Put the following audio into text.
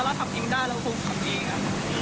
ถ้าเราทำเองได้เราคงทำเองอ่ะ